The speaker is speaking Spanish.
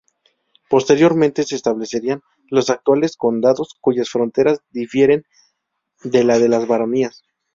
Posteriormente se establecerían los actuales condados, cuyas fronteras difieren de la de las baronías.